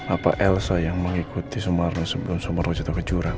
apa elsa yang mengikuti sumarno sebelum sumarno jatuh ke jurang